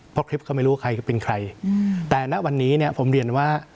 เพราะคลิปเขาไม่รู้ใครเป็นใครแต่ณวันนี้เนี่ยผมเรียนว่า